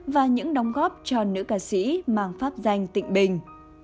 và những đóng góp cho nữ ca sĩ mang pháp danh tịnh bình